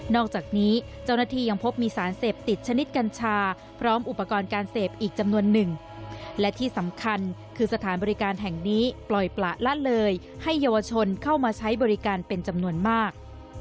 อกจากนี้เจ้าหน้าที่ยังพบมีสารเสพติดชนิดกัญชาพร้อมอุปกรณ์การเสพอีกจำนวนหนึ่งและที่สำคัญคือสถานบริการแห่งนี้ปล่อยปละละเลยให้เยาวชนเข้ามาใช้บริการเป็นจำนวนมาก